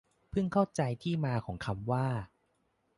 เพิ่งเข้าใจที่มาของคำว่า